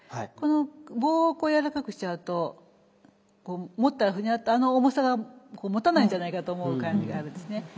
この棒をこうやわらかくしちゃうとこう持ったらふにゃっとあの重さがもたないんじゃないかと思う感じがあるんですね。